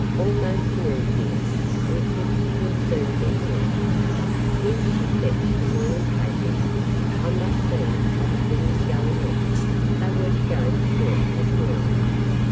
"Almost noon, dear, and Clip will soon be here." "Will she fetch the morning papers? I must see how the thing is going on. They were to go to court this morning."